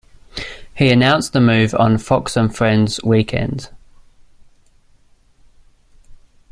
He announced the move on "Fox and Friends Weekend".